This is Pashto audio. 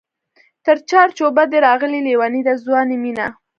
تر چار چوبه دی راغلې لېونۍ د ځوانۍ مینه